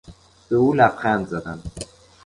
به او لبخند زدم.